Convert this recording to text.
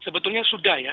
sebetulnya sudah ya